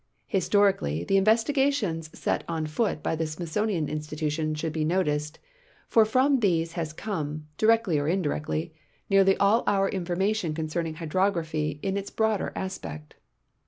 Historically the investigations set on foot l)y the Smithsonian Institution should be noticed, for from these has come, directly or indirectly, nearly all our information concerning hydrograj^hy in its broader aspect.